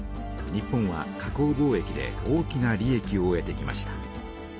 日本は加工貿易で大きな利えきを得てきました。